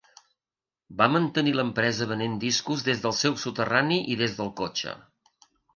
Va mantenir l'empresa venent discos des del seu soterrani i des del cotxe.